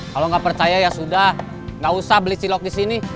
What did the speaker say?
kalau nggak percaya ya sudah nggak usah beli cilok di sini